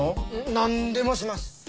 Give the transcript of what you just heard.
何でもします！